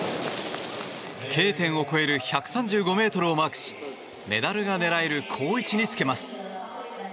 Ｋ点を越える１３５ｍをマークしメダルが狙える好位置につけます。